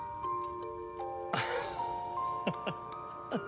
アハハハ！